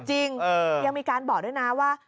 ยังมีการบอกด้วยนะว่า